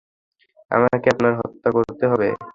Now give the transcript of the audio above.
আমাকে আপনার হত্যা করতে হবে।